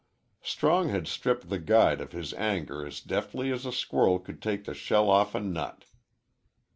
Strong had stripped the guide of his anger as deftly as a squirrel could take the shell off a nut.